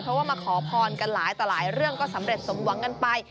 เพราะว่ามาขอพรกันหลายต่อหลายเรื่องก็สำเร็จสมหวังกันไป